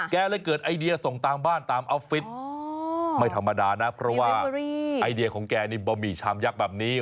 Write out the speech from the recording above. แกเลยเกิดไอเดียส่งตามบ้านตามออฟฟิศไม่ธรรมดานะเพราะว่าไอเดียของแกนี่บะหมี่ชามยักษ์แบบนี้